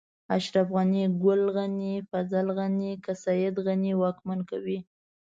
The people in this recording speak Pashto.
اشرف غني، ګل غني، فضل غني، که سيد غني واکمن کوي.